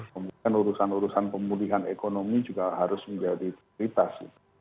kemudian urusan urusan pemulihan ekonomi juga harus menjadi prioritas